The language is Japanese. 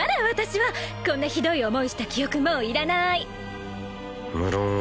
私はこんなひどい思いした記憶もういらない無論